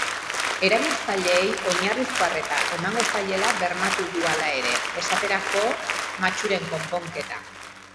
Erabiltzaileei oinarrizko arreta emango zaiela bermatu du hala ere, esaterako matxuren konponketa.